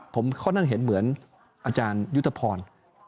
ผมเขานั่งเห็นเหมือนอาจารยุทธพร